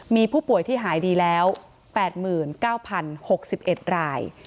มีผู้ป่วยที่หายดีแล้ว๘๙๐๖๑ราย